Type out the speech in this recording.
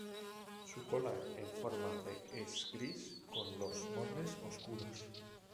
Su cola en forma de es gris con los bordes oscuros.